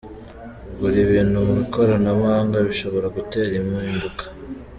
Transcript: Kugura ibintu mu ikoranabuhanga bishobora gutera impinduka.